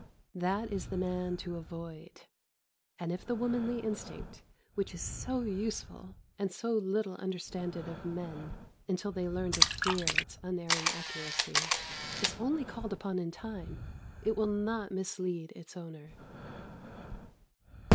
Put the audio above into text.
That is the man to avoid; and if the womanly instinct, which is so useful and so little understanded of men (until they learn to fear its unerring accuracy), is only called upon in time, it will not mislead its owner.